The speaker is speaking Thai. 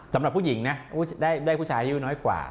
สำหรับผู้หญิงนะได้ผู้ชายอายุน้อยกว่า